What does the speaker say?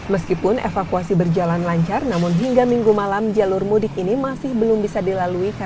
meskipun evakuasi berjalan lancar namun hingga minggu malam jalur mudik ini masih belum bisa dilalui